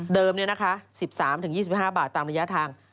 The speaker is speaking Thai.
เดิมเนี่ยนะคะ๑๓๒๕บาทตามระยะทาง